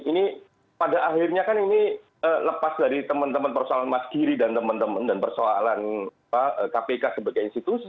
ini pada akhirnya kan ini lepas dari teman teman persoalan mas giri dan teman teman dan persoalan kpk sebagai institusi